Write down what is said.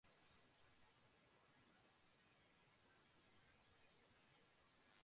তবে দুটি অভিযোগে মৃত্যুদণ্ড দেওয়ায় অন্য অভিযোগগুলোতে আলাদা করে দণ্ড দেওয়া হয়নি।